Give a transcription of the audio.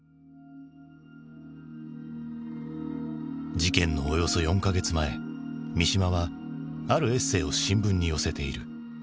事件のおよそ４か月前三島はあるエッセーを新聞に寄せている。